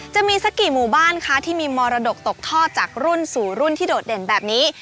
จะมีสักกี่หมู่บ้านคะที่มีมรดกตกทอดจากรุ่นสู่รุ่นที่โดดเด่นแบบนี้